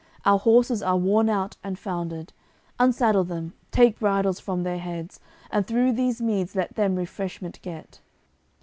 Our horses are worn out and foundered: Unsaddle them, take bridles from their heads, And through these meads let them refreshment get."